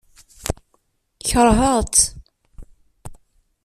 Keṛheɣ-tt.